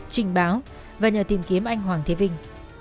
trình báo và nhờ tìm kiếm anh hoàng thế vinh